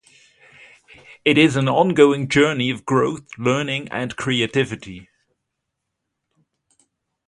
It is an ongoing journey of growth, learning, and creativity.